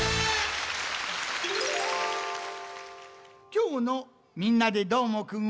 きょうの「みんなＤＥどーもくん！」